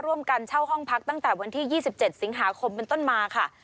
เช่าห้องพักตั้งแต่วันที่๒๗สิงหาคมเป็นต้นมาค่ะ